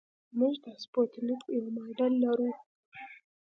موږ د سپوتنیک یو ماډل لرو